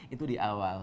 itu di awal